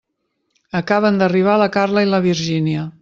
Acaben d'arribar la Carla i la Virgínia.